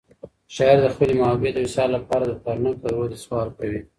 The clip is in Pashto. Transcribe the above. شاعر د خپلې محبوبې د وصال لپاره د ترنګ له روده سوال کوي.